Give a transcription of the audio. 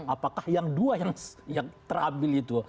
apakah yang dua atau tiga yang terambil itu